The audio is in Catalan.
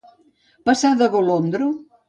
Passar de golondro.